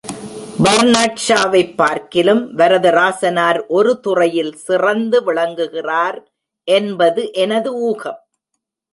பர்னாட்ஷாவைப் பார்க்கிலும் வரதராசனார் ஒரு துறையில் சிறந்து விளங்குகிறார் என்பது எனது ஊகம்.